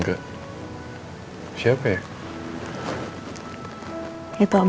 tentu macam tuan